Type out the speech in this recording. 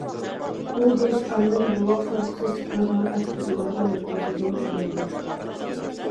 بۇ «گۆش» ئاندىن «بوۋاق شورپىسى» چىقىرىدىغان ئاشپۇزۇللارغا يەتكۈزۈلىدۇ. دېگەندەك.